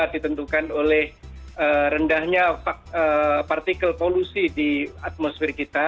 ditentukan oleh rendahnya partikel polusi di atmosfer kita